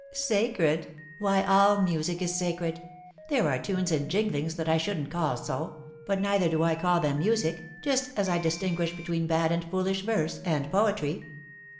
"Sacred? Why, all music is sacred. There are tunes and jinglings that I shouldn't call so; but neither do I call them music, just as I distinguish between bad or foolish verse, and poetry.